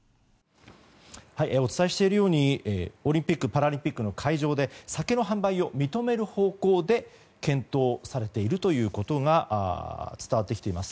お伝えしているようにオリンピック・パラリンピックの会場で酒の販売を認める方向で検討されているということが伝わってきています。